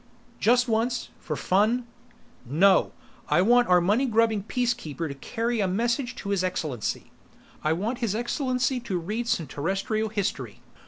"Just once for fun?" "No. I want our money grubbing Peacekeeper to carry a message to His Excellency. I want His Excellency to read some Terrestrial History.